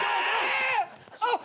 あっ！